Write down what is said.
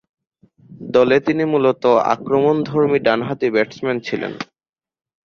দলে তিনি মূলতঃ আক্রমণধর্মী ডানহাতি ব্যাটসম্যান ছিলেন।